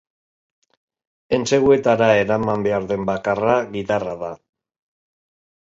Entseguetara eraman behar den bakarra, gitarra da.